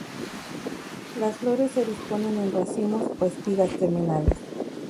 Las flores se disponen en racimos o espigas terminales.